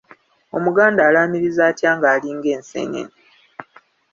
Omuganda alaamiriza atya nga alinga enseenene?